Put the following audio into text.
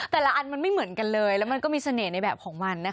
อันมันไม่เหมือนกันเลยแล้วมันก็มีเสน่ห์ในแบบของมันนะคะ